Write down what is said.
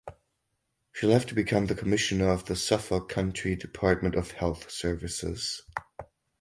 She left to become the commissioner of the Suffolk County Department of Health Services.